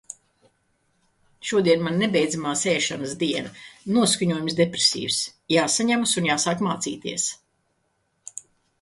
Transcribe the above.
Šodien man nebeidzamās ēšanas diena. Noskaņojums depresīvs. Jāsaņemas un jāsāk mācīties.